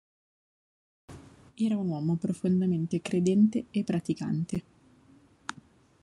Era un uomo profondamente credente e praticante.